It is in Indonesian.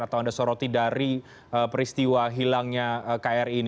atau anda soroti dari peristiwa hilangnya kri ini